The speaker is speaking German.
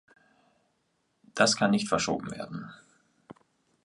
Das kann nicht verschoben werden.